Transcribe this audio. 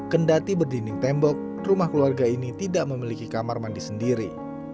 kendati berdinding tembok rumah keluarga ini tidak memiliki kamar mandi sendiri